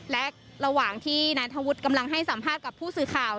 และระหว่างที่นายธวุฒิกำลังให้สัมภาษณ์กับผู้สื่อข่าว